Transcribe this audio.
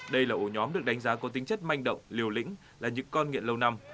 đây là ổ nhóm được đánh giá có tính chất manh động liều lĩnh là những con nghiện lâu năm